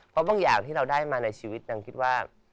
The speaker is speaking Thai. เพราะบางอย่างที่เราได้มาในชีวิตนางคิดว่า